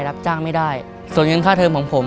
รับจ้างไม่ได้ส่วนเงินค่าเทิมของผม